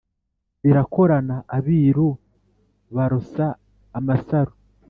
barakorana abiru barosa amasaro